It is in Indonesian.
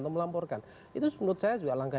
atau melamporkan itu menurut saya juga langkah